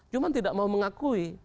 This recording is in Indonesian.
cuma tidak mau mengakui